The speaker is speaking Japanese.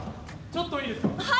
ちょっといいですか？